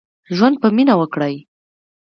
ژوند په مينه وکړئ.